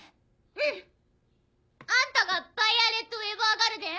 うん！あんたがバイアレット・エバーガルデン？